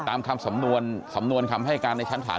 ตามคำสำนวนคำให้การในชั้นฐาน